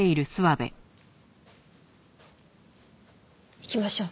行きましょう。